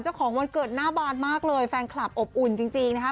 วันเกิดหน้าบานมากเลยแฟนคลับอบอุ่นจริงนะคะ